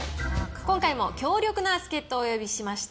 今回も強力な助っとをお呼びしました。